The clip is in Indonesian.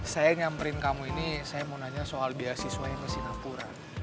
saya nyamperin kamu ini saya mau nanya soal biasiswa yang masih napura